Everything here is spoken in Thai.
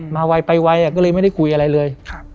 มาวัยไปวัยก็เลยไม่ได้คุยอะไรเลย